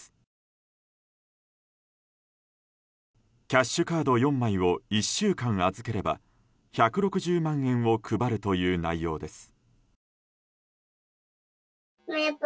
キャッシュカード４枚を１週間預ければ１６０万円を配るという内容です。